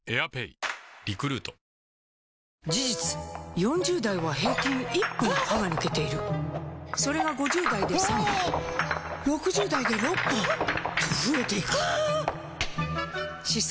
４０代は平均１本歯が抜けているそれが５０代で３本６０代で６本と増えていく歯槽